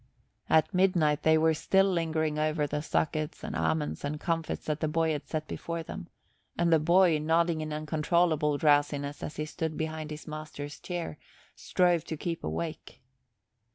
At midnight they were still lingering over the suckets and almonds and comfits that the boy had set before them; and the boy, nodding in uncontrollable drowsiness as he stood behind his master's chair, strove to keep awake.